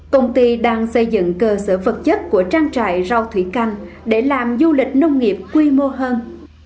công ty đang xây dựng cơ sở vật chất của trang trại rau thủy canh để làm du lịch nông nghiệp quy mô hơn